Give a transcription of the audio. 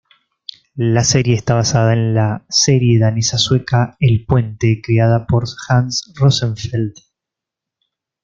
La serie está basada en la serie danesa-sueca "El puente" creada por Hans Rosenfeld.